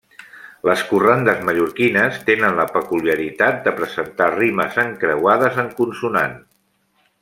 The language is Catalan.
Les corrandes mallorquines tenen la peculiaritat de presentar rimes encreuades en consonant.